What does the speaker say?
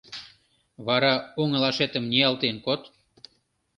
Вара оҥылашетым ниялтен код.